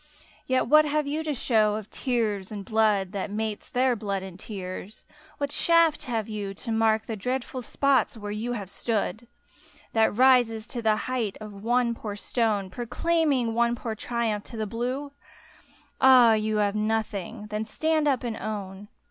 Yet what have you to show of tears and blood, That mates their blood and tears? What shaft have you, To mark the dreadful spots where you have stood, That rises to the height of one poor stone Proclaiming one poor triumph to the blue ? Ah, you have nothing! Then stand up and own!